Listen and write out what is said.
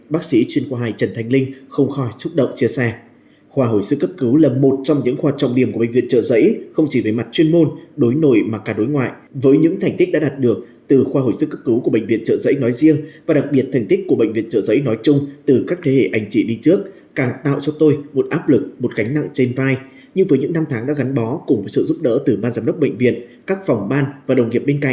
bác sĩ chuyên khoa hai trần thanh linh đã nhiều năm giữ chức vụ phó khoa hồi sức cấp cứu bệnh viện trợ giấy anh có biệt danh bác sĩ chuyên khoa hai trần thanh linh đã nhiều năm giữ chức vụ phó khoa hồi sức cấp cứu bệnh nhân covid một mươi chín